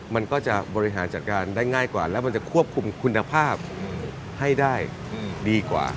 มันก็จะบริหารจัดการได้ง่ายกว่าแล้วมันจะควบคุมคุณภาพให้ได้ดีกว่า